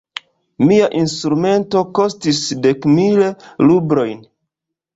Mia instrumento kostis dek mil rublojn.